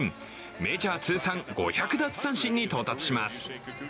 メジャー通算５００奪三振に到達します。